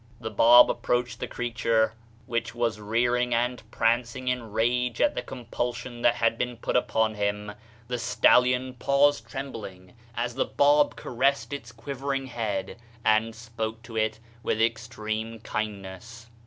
The Bab approached the creature which was 34 THE SHINING PATHWAY rearing and prancing in rage at the compul sion that had been put upon him. The stallion paused trembling, as the Bab caressed its quivering head, and spoke to it with extreme kindness.